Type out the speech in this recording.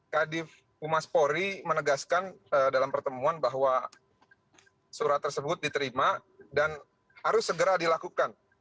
kadif umas polri menegaskan dalam pertemuan bahwa surat tersebut diterima dan harus segera dilakukan